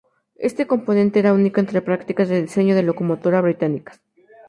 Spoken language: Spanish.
Este componente era único entre prácticas de diseño de locomotora británicas.